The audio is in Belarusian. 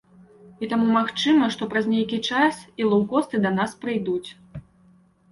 І таму магчыма, што праз нейкі час і лоўкосты да нас прыйдуць.